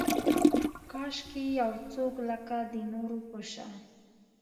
کاشکي یو څوک لکه، د نورو په شان